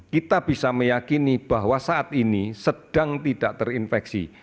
kita bisa meyakini bahwa saat ini sedang tidak terinfeksi